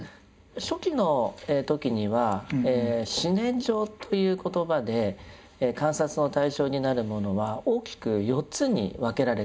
初期の時には「四念処」という言葉で観察の対象になるものは大きく４つに分けられていました。